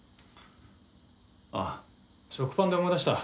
あっ食パンで思い出した。